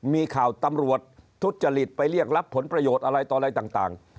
มีข่าวตำรวจทุจริตไปเรียกรับผลประโยชน์อะไรต่ออะไรต่าง